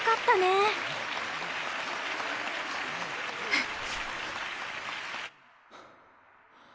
あっ。